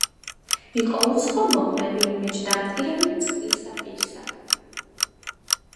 იყო უცხო მოყმე ვინმე ჯდა მტირალი წყლისა პირსა